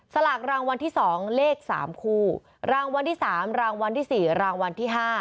สลากรางวัลที่๒เลข๓คู่รางวัลที่๓รางวัลที่๔รางวัลที่๕